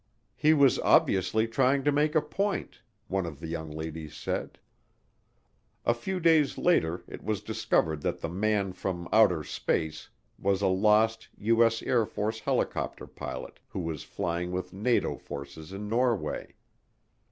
"He was obviously trying to make a point," one of the young ladies said. A few days later it was discovered that the man from "outer space" was a lost USAF helicopter pilot who was flying with NATO forces in Norway.